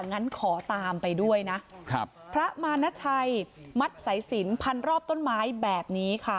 งั้นขอตามไปด้วยนะครับพระมานาชัยมัดสายสินพันรอบต้นไม้แบบนี้ค่ะ